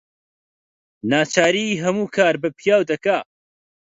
ناچاری هەموو کار بە پیاو دەکا